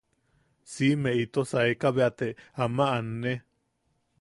Siʼime ito saeka bea te ama anne.